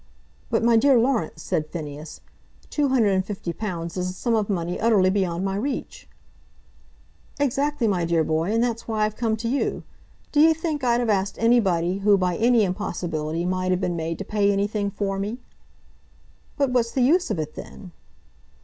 "But, my dear Laurence," said Phineas, "two hundred and fifty pounds is a sum of money utterly beyond my reach." "Exactly, my dear boy, and that's why I've come to you. D'ye think I'd have asked anybody who by any impossibility might have been made to pay anything for me?" "But what's the use of it then?"